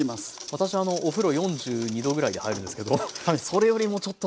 私お風呂４２℃ぐらいで入るんですけどそれよりもちょっと。